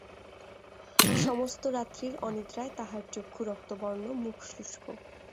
সমস্ত রাত্রির অনিদ্রায় তাহার চক্ষু রক্তবর্ণ, মুখ শুষ্ক।